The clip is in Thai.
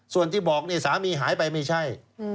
ส่วนที่บอกนี่สามีหายไปไม่ใช่